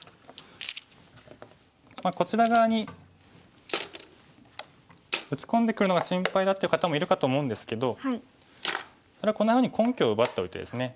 こちら側に打ち込んでくるのが心配だっていう方もいるかと思うんですけどそれはこんなふうに根拠を奪っておいてですね。